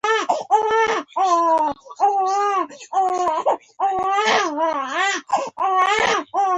کتابچه کې باید بېادبي نه وي